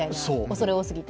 恐れ多すぎて。